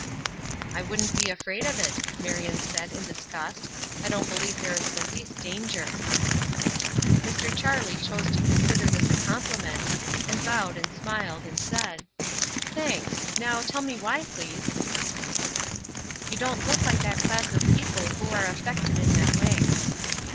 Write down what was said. "I wouldn't be afraid of it," Marion said, in disgust. "I don't believe there is the least danger." Mr. Charlie chose to consider this as a compliment, and bowed and smiled, and said: "Thanks. Now tell me why, please." "You don't look like that class of people who are affected in that way."